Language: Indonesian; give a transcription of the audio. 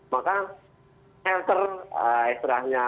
maka shelter istilahnya